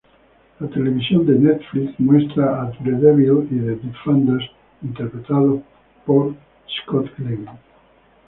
La televisión de Netflix muestra a "Daredevil" y "The Defenders" interpretado por Scott Glenn.